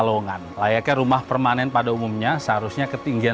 ini termasuk dataran tinggi